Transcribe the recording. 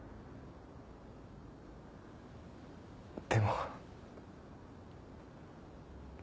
でも。